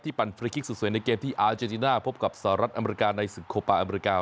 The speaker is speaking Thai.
ปั่นฟรีคลิกสุดสวยในเกมที่อาเจติน่าพบกับสหรัฐอเมริกาในศึกโคปาอเมริกา